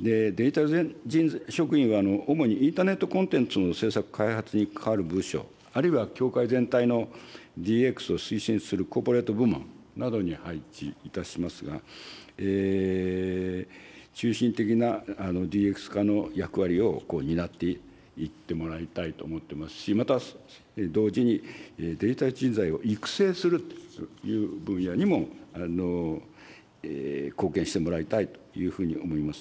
デジタル職員は、主にインターネットコンテンツの制作・開発に関わる部署、あるいは協会全体のＤＸを推進するコーポレート部門などに配置いたしますが、中心的なＤＸ化の役割を担っていってもらいたいと思ってますし、また同時に、デジタル人材を育成するという分野にも貢献してもらいたいというふうに思います。